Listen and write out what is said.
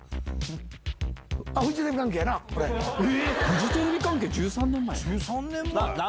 フジテレビ関係１３年前？